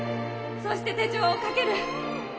そして手錠をかける